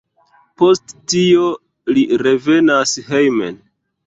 Post tio li revenas hejmen.